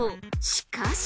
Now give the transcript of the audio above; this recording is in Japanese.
しかし。